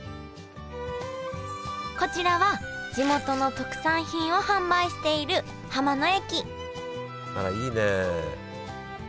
こちらは地元の特産品を販売している浜の駅あらいいね。